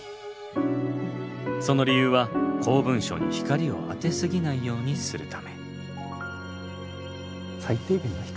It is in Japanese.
その理由は公文書に光を当てすぎないようにするため。